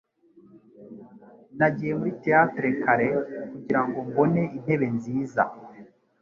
Nagiye muri theatre kare kugirango mbone intebe nziza.